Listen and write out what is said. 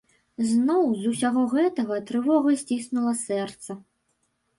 Зноў, з усяго гэтага, трывога сціснула сэрца.